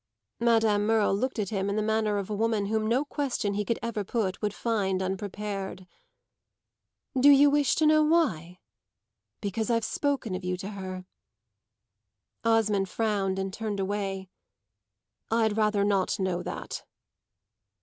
Madame Merle looked at him in the manner of a woman whom no question he could ever put would find unprepared. "Do you wish to know why? Because I've spoken of you to her." Osmond frowned and turned away. "I'd rather not know that."